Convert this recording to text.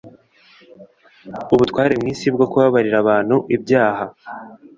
ubutware mu isi bwo kubabarira abantu ibyaha